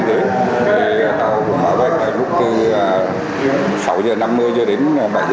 thì tàu cũng mở vẹt lúc từ sáu h năm mươi giờ đến bảy h ba mươi